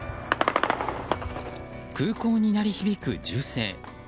空港に鳴り響く銃声。